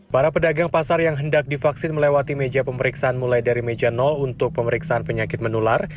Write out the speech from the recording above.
para pedagang pasar yang hendak divaksin melewati meja pemeriksaan mulai dari meja untuk pemeriksaan penyakit menular